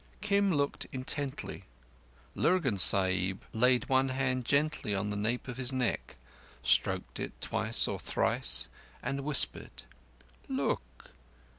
Kim looked intently. Lurgan Sahib laid one hand gently on the nape of his neck, stroked it twice or thrice, and whispered: "Look!